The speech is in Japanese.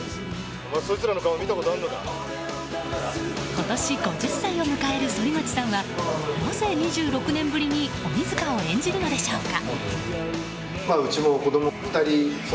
今年、５０歳を迎える反町さんはなぜ２６年ぶりに鬼塚を演じるのでしょうか？